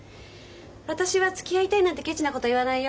私はつきあいたいなんてケチなこと言わないよ。